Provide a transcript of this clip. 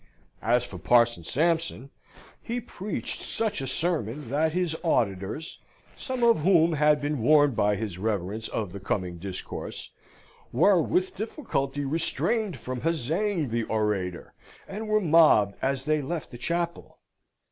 As for Parson Sampson, he preached such a sermon that his auditors (some of whom had been warned by his reverence of the coming discourse) were with difficulty restrained from huzzaing the orator, and were mobbed as they left the chapel.